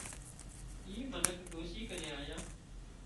اي منک ڏوشي ڪنين آيان